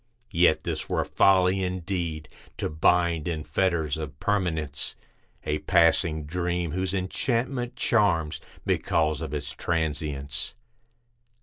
Yet, this were folly indeed; to bind, in fetters of permanence, A passing dream whose enchantment charms because of its trancience.